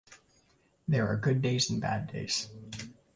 There are good days and bad days.